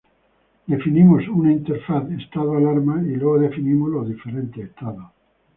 Definimos una interfaz Estado_Alarma, y luego definimos los diferentes estados.